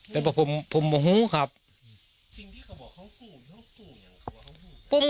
แต่ว่าผมผมหูครับสิ่งที่เขาบอกของกูอยู่ของกูอย่างเขาบอกของกู